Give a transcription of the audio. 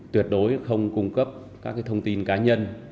tuyệt đối không cung cấp các thông tin cá nhân